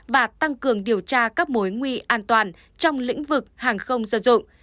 và tăng cường điều tra các mối nguy an toàn trong lĩnh vực hàng không dân dụng